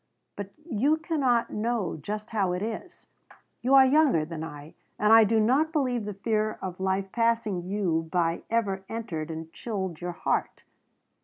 But you cannot know just how it is. You are younger than I, and I do not believe the fear of life passing you by ever entered and chilled your heart.